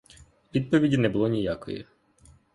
Відповіді не було ніякої.